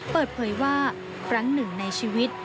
เปิดเผยว่าครั้งหนึ่งในชีวิต